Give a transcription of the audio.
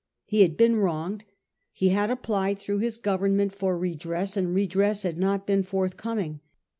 He had been wronged, he had applied through his Governmelit for redress, and redress had not been forthcoming.